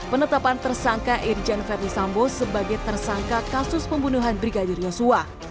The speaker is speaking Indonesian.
penetapan tersangka erjen ferdisampo sebagai tersangka kasus pembunuhan brigadir yosua